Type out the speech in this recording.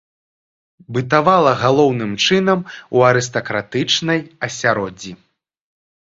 Бытавала галоўным чынам у арыстакратычнай асяроддзі.